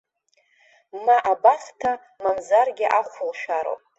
Ма абахҭа, мамзаргьы ахә лшәароуп.